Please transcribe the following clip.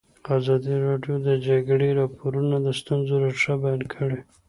ازادي راډیو د د جګړې راپورونه د ستونزو رېښه بیان کړې.